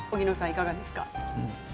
いかがですか？